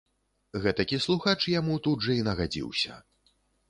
Гэтакі слухач яму тут жа і нагадзіўся.